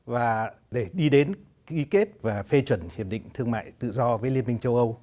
và để đi đến ký kết và phê chuẩn hiệp định thương mại tự do với liên minh châu âu